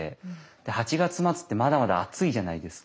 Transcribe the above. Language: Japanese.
８月末ってまだまだ暑いじゃないですか。